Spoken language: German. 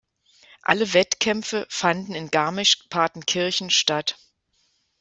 Alle Wettkämpfe fanden in Garmisch-Partenkirchen statt.